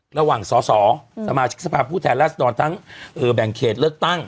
ระหว่างสอสอสมาชิกสภาพผู้แทนราษฎรทั้งแบ่งเขตเลือกตั้ง